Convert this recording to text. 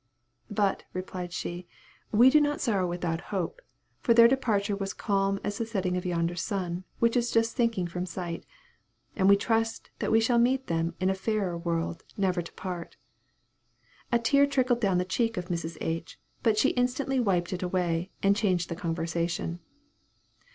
"But," replied she, "we do not sorrow without hope; for their departure was calm as the setting of yonder sun, which is just sinking from sight; and we trust that we shall meet them in a fairer world, never to part." A tear trickled down the cheek of Mrs. H., but she instantly wiped it away, and changed the conversation.